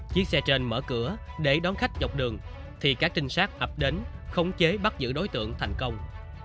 chiếc xe trên mở cửa để đón khách dọc đường thì các trinh sát ập đến khống chế bắt giữ đối tượng thành công